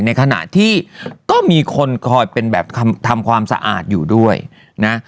ในขณะที่ก็มีคนคอยเป็นแบบทำความสะอาดอยู่ด้วยนะ